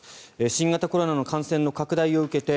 新型コロナの感染の拡大を受けて